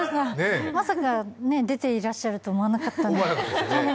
出ていらっしゃると思わなかったので。